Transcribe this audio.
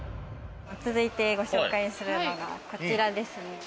続いてご紹介するのがこちらですね。